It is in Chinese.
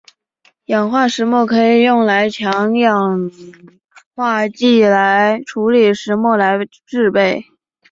氧化石墨可以通过用强氧化剂来处理石墨来制备。